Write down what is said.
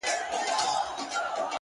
هوډ د ناکامۍ ویره کموي’